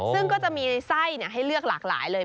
ซึ่งก็จะมีไส้ให้เลือกหลากหลายเลย